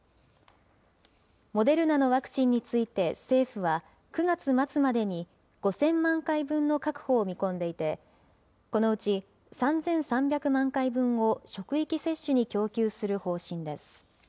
モデルナのワクチンについて、政府は、９月末までに５０００万回分の確保を見込んでいて、このうち３３００万回分を職域接種に供給する方針です。